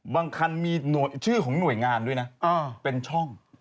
คันมีชื่อของหน่วยงานด้วยนะเป็นช่อง